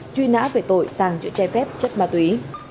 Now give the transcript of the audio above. truy nã về tội thằng chữ trái phép chết ma túy